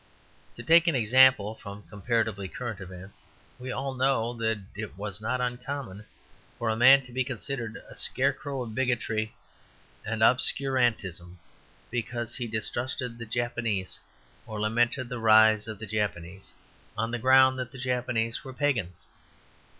To take an example from comparatively current events: we all know that it was not uncommon for a man to be considered a scarecrow of bigotry and obscurantism because he distrusted the Japanese, or lamented the rise of the Japanese, on the ground that the Japanese were Pagans.